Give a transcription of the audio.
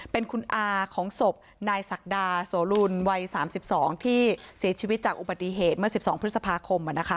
เป็นคุณอาของศพนายศักดาโสลุลวัย๓๒ที่เสียชีวิตจากอุบัติเหตุเมื่อ๑๒พฤษภาคม